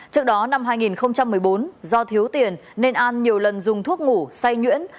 trước đó năm hai nghìn một mươi bốn do thiếu tiền nên an nhiều lần dùng thuốc ngủ say nhuyễn